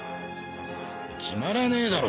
キマらねえだろ